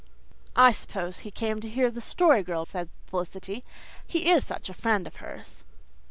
"I suppose he came to hear the Story Girl recite," said Felicity. "He is such a friend of hers."